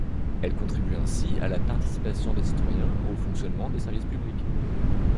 Elle contribue ainsi à la participation des citoyens au fonctionnement des services publics.